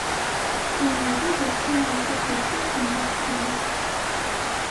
Ameɣlal iqqim ɣef ukersi-s n leḥkem.